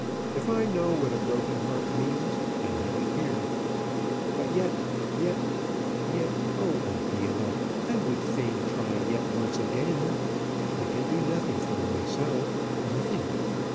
If I know what a broken heart means, I have it here. But yet yet yet. Oh, Adela! I would fain try yet once again. I can do nothing for myself; nothing.